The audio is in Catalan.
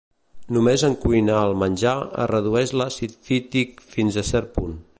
Només en cuinar el menjar, es redueix l'àcid fític fins a un cert punt.